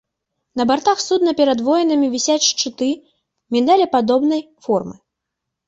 На бартах судна перад воінамі вісяць шчыты міндалепадобнай формы.